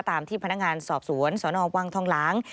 ตามที่พนักงานสอบสวนสนวังทองหลาง